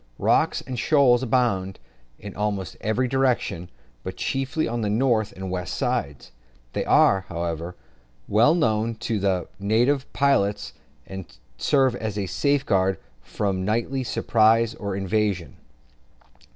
Rocks and shoals abound in almost every direction, but chiefly on the north and west sides. They are, however, well known to the native pilots, and serve as a safeguard from nightly surprise or invasion.